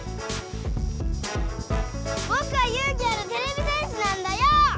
ぼくは勇気あるてれび戦士なんだよ！